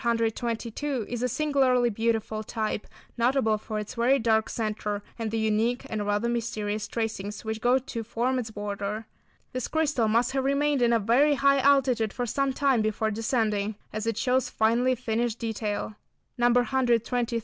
122 is a singularly beautiful type, notable for its very dark centre, and the unique and rather mysterious tracings which go to form its border. This crystal must have remained in a very high altitude for some time before descending as it shows finely finished detail. [Illustration: 102. A feathery type.